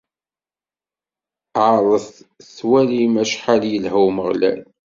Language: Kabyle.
Ɛerḍet twalim acḥal yelha Umeɣlal!